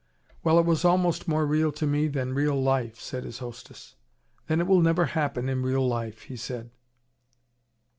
"Well, it was almost more real to me than real life," said his hostess. "Then it will never happen in real life," he said.